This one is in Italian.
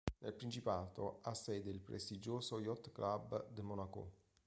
Nel principato ha sede il prestigioso Yacht Club de Monaco.